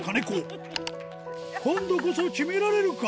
今度こそ決められるか？